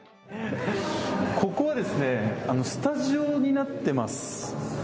ここはスタジオになっています。